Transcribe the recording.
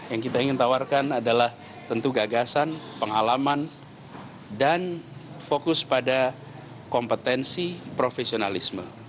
yang kita ingin tawarkan adalah tentu gagasan pengalaman dan fokus pada kompetensi profesionalisme